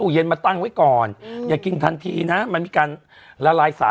เราไว้ในรถตากแดดอันตรายไหม